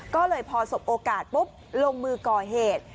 ก็เลยพอสบโอกาสปุ๊บลงมือก่อเหตุ